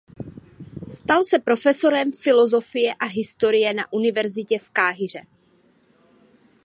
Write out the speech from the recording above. Stal se profesorem filozofie a historie na univerzitě v Káhiře.